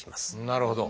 なるほど。